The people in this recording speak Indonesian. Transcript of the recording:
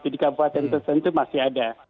di kabupaten tertentu masih ada